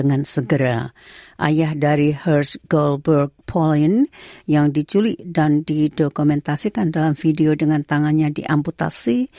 ayah dari herz goldberg pauline yang diculik dan didokumentasikan dalam video dengan tangannya diamputasi